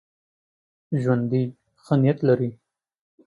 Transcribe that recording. ژوندي ښه نیت لري